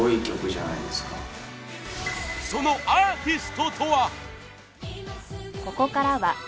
そのアーティストとは？